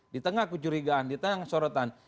di tengah kecurigaan di tengah sorotan